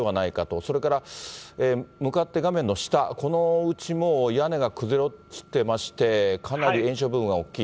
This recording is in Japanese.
それから向かって画面の下、このおうちも屋根が崩れ落ちてまして、かなり延焼部分が大きい。